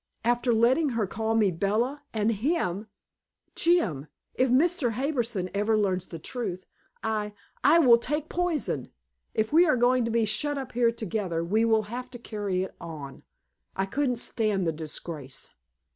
After letting her call me Bella, and him Jim, if Mr. Harbison ever learns the truth I I will take poison. If we are going to be shut up here together, we will have to carry it on. I couldn't stand the disgrace."